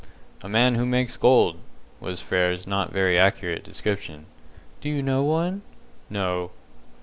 "A man who makes gold," was Frere's not very accurate definition. "Do you know one?" "No."